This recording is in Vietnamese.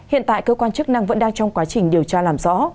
hiện tại cơ quan chức năng vẫn đang trong quá trình điều tra làm rõ